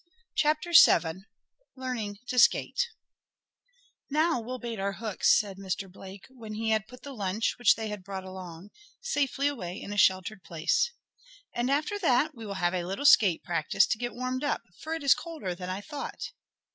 CHAPTER VII LEARNING TO SKATE "Now we'll bait our hooks," said Mr. Blake, when he had put the lunch, which they had brought along, safely away in a sheltered place. "And after that we will have a little skate practice to get warmed up, for it is colder than I thought."